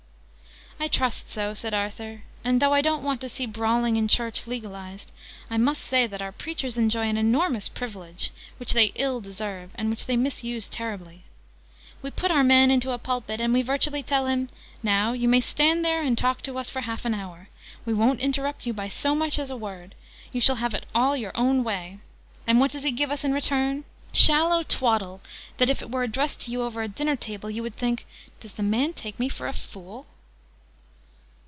"I trust so," said Arthur: "and, though I don't want to see 'brawling in church' legalised, I must say that our preachers enjoy an enormous privilege which they ill deserve, and which they misuse terribly. We put our man into a pulpit, and we virtually tell him 'Now, you may stand there and talk to us for half an hour. We won't interrupt you by so much as a word! You shall have it all your own way!' And what does he give us in return? Shallow twaddle, that, if it were addressed to you over a dinner table, you would think 'Does the man take me for a fool?'"